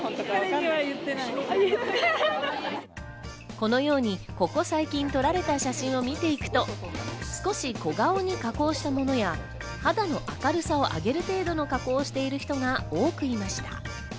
このように、ここ最近撮られた写真を見ていくと、少し小顔に加工したものや、肌の明るさを上げる程度の加工をしている人が多くいました。